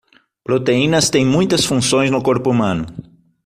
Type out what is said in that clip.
Proteínas têm muitas funções no corpo humano.